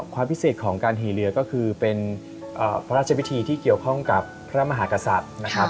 ความพิเศษของการหี่เรือก็คือเป็นพระราชพิธีที่เกี่ยวข้องกับพระมหากษัตริย์นะครับ